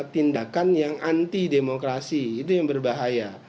tindakan yang anti demokrasi itu yang berbahaya